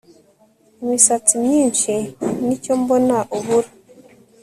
imisatsi myinshi nicyo mbona ubura